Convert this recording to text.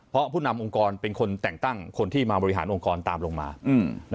เพราะผู้นำองค์กรเป็นคนแต่งตั้งคนที่มาบริหารองค์กรตามลงมา